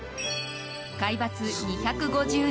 海抜２５７ｍ。